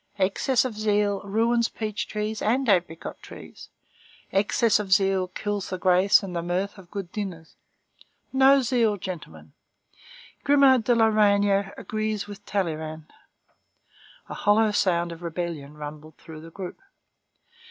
Excess of zeal ruins peach trees and apricot trees. Excess of zeal kills the grace and the mirth of good dinners. No zeal, gentlemen! Grimod de la Reynière agrees with Talleyrand." A hollow sound of rebellion rumbled through the group.